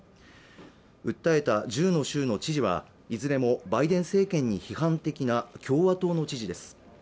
訴えた１０の州の知事はいずれもバイデン政権に批判的な共和党の知事です